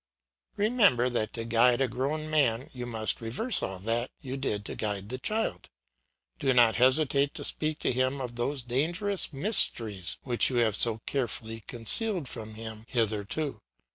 Remember that to guide a grown man you must reverse all that you did to guide the child. Do not hesitate to speak to him of those dangerous mysteries which you have so carefully concealed from him hitherto.